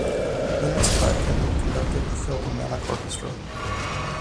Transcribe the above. Leonard Slatkin conducted the Philharmonic Orchestra.